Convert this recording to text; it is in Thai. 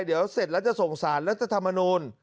เดี๋ยวเสร็จแล้วจะส่งสารแล้วจะทำมานูล